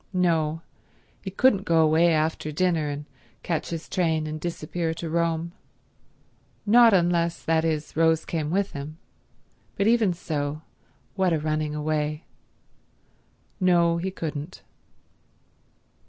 No, he couldn't go away after dinner and catch his train and disappear to Rome; not unless, that is, Rose came with him. But even so, what a running away. No, he couldn't.